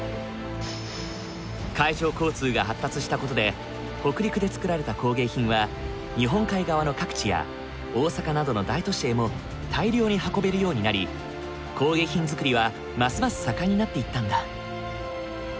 海上交通が発達した事で北陸で作られた工芸品は日本海側の各地や大阪などの大都市へも大量に運べるようになり工芸品作りはますます盛んになっていったんだ。